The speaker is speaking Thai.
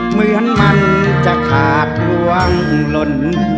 เหมือนมันจะขาดล้วงหล่น